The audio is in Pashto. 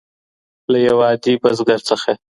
له یو عادي بزګر څخه.